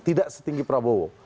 tidak setinggi prabowo